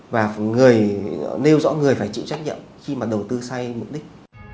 và nêu rõ người phải chịu trách nhiệm khi mà đầu tư sai mục đích